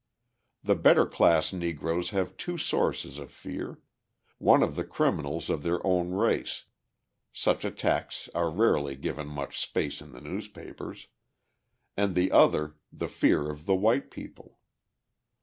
The better class Negroes have two sources of fear: one of the criminals of their own race such attacks are rarely given much space in the newspapers and the other the fear of the white people.